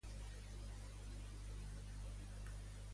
Actuaven igual ells dos, doncs?